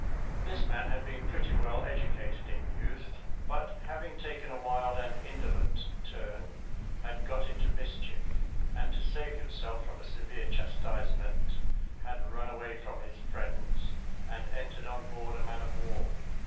This man had been pretty well educated in youth, but having taken a wild and indolent turn, had got into mischief, and to save himself from a severe chastisement, had run away from his friends, and entered on board a man of war.